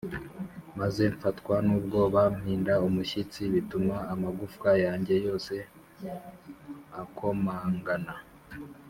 maze mfatwa n’ubwoba mpinda umushyitsi, bituma amagufwa yanjye yose akomangana,